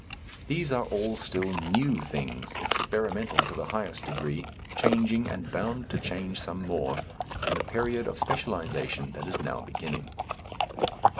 These are all still new things, experimental to the highest degree, changing and bound to change much more, in the period of specialization that is now beginning.